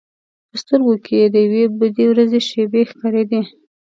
په سترګو کې یې د یوې بدې ورځې شېبې ښکارېدې.